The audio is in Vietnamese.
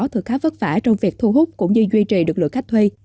thử khá vất vả trong việc thu hút cũng như duy trì được lượng khách thuê